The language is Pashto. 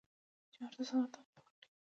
چارو ته سمه توجه وکړي.